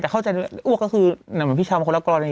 แต่เข้าใจอ้วกก็คือเหมือนพี่ชาวมันคนละกรณี